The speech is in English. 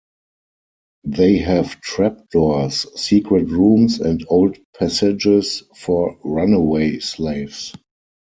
They have trap doors, secret rooms, and old passages for runaway slaves.